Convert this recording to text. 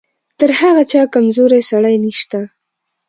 تر هغه چا کمزوری سړی نشته.